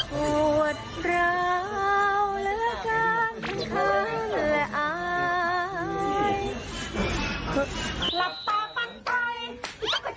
หวัดราวเหลือกลางข้างและอาย